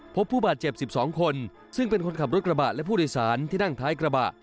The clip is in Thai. พบผู้บาดเจ็บ๑๒คนซึ่งเป็นคนขับรถกระบะและผู้โดยสารที่นั่งท้ายกระบะ